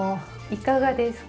いかがですか？